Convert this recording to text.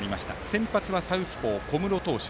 先発はサウスポー、小室投手。